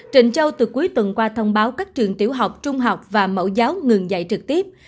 trịnh châu từ cuối tuần qua thông báo các trường tiểu học trung học và mẫu giáo ngừng dạy trực tiếp